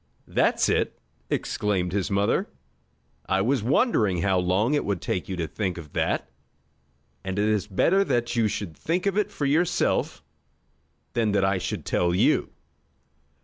"That's it!" exclaimed his mother. "I was wondering how long it would take you to think of that. And it is better that you should think of it for yourself than that I should tell you.